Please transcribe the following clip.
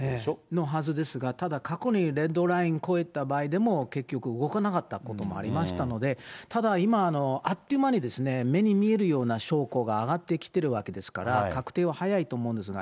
のはずですが、ただ、過去にレッドライン越えた場合でも、結局、動かなかったこともありましたので、ただ、今、あっという間に、目に見えるような証拠が上がってきてるわけですから、確定は早いと思うんですが。